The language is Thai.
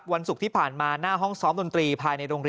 วันศุกร์ที่ผ่านมาหน้าห้องซ้อมดนตรี